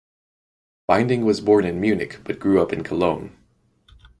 Binding was born in Munich but grew up in Cologne.